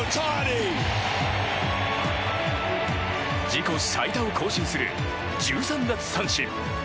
自己最多を更新する１３奪三振。